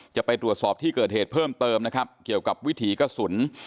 จะไปตรวจสอบที่เกิดเหตุเพิ่มเติมนะครับเกี่ยวกับวิถีกระสุน